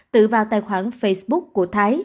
tự vào tài khoản facebook của thái